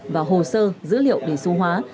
và hồ sơ dữ liệu để xu hóa